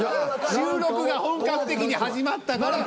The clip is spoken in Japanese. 収録が本格的に始まったから。